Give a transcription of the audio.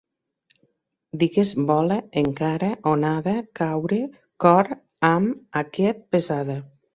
Digues: bola, encara, onada, caure, cor, ham, aquest, pesada